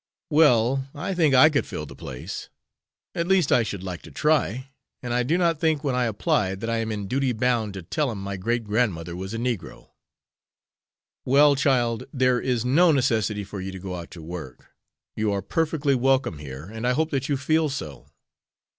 "Well, I think I could fill the place. At least I should like to try. And I do not think when I apply that I am in duty bound to tell him my great grandmother was a negro." "Well, child, there is no necessity for you to go out to work. You are perfectly welcome here, and I hope that you feel so."